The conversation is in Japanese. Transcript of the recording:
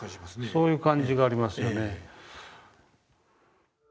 そういう感じがありますよね。